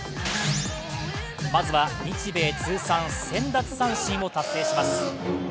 まずは日米通算１０００奪三振を達成します。